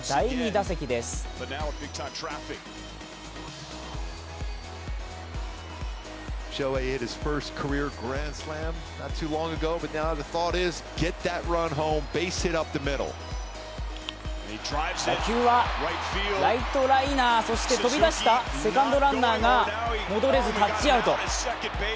打球はライトライナー、そして飛び出したセカンドランナーが戻れずタッチアウト。